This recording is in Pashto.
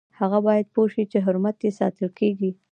هغه باید پوه شي چې حرمت یې ساتل کیږي.